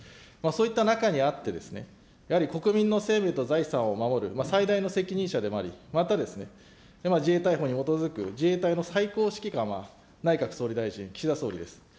そういった中にあって、やはり国民の生命と財産を守る最大の責任者でもあり、また、自衛隊法に基づく自衛隊の最高指揮官は内閣総理大臣、きしだそうりです